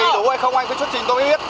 đầy đủ hay không anh có chút trình tôi biết